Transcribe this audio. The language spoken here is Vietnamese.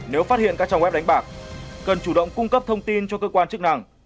nếu phát hiện các trang web đánh bạc cần chủ động cung cấp thông tin cho cơ quan chức năng